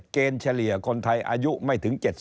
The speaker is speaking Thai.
เฉลี่ยคนไทยอายุไม่ถึง๗๐